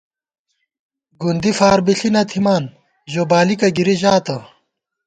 گُندی فاربِݪی نہ تھِمان ، ژو بالِکہ گِری ژاتہ